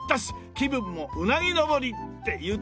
気分もうなぎ登り！って言うと思った？